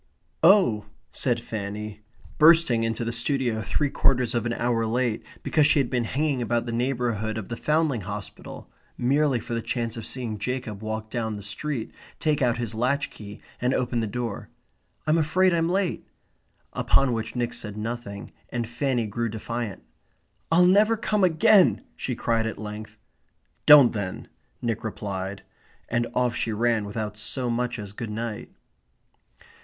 "Oh," said Fanny, bursting into the studio three quarters of an hour late because she had been hanging about the neighbourhood of the Foundling Hospital merely for the chance of seeing Jacob walk down the street, take out his latch key, and open the door, "I'm afraid I'm late"; upon which Nick said nothing and Fanny grew defiant. "I'll never come again!" she cried at length. "Don't, then," Nick replied, and off she ran without so much as good night.